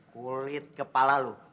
kulit kepala lu